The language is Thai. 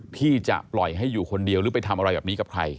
พี่จะปล่อยให้อยู่คนเดียวหรือไปทำอะไรแบบนี้กับใคร